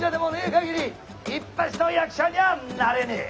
限りいっぱしの役者にはなれねえ。